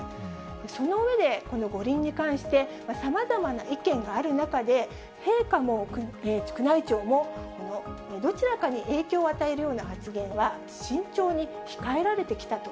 その上で、この五輪に関して、さまざまな意見がある中で、陛下も宮内庁も、どちらかに影響を与えるような発言は、慎重に控えられてきたと。